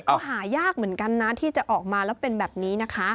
ก็หายากเหมือนกันนะที่จะออกมาแล้วเป็นแบบนี้นะคะ